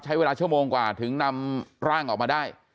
ใช้เวลาชั่วโมงกว่าถึงนำร่างออกมาได้